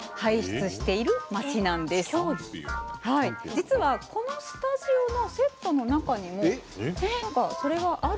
実はこのスタジオのセットの中にも何かそれがある。